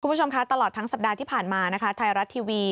คุณผู้ชมคะตลอดทั้งสัปดาห์ที่ผ่านมานะคะไทยรัฐทีวี